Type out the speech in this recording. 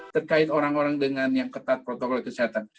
terkait orang orang dengan yang ketat protokol kesehatan